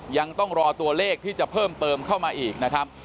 ยังต้องรอตัวเลขที่จะเพิ่มเติมเข้ามาอีกนะครับ